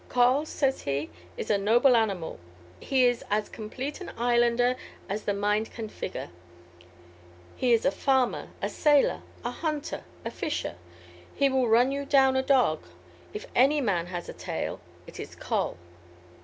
"Col," says he, "is a noble animal. He is as complete an islander as the mind can figure. He is a farmer, a sailor, a hunter, a fisher: he will run you down a dog; if any man has a tail, it is Col."